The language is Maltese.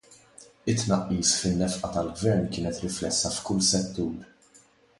It-tnaqqis fin-nefqa tal-Gvern kienet riflessa f'kull settur.